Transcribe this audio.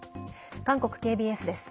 韓国ＫＢＳです。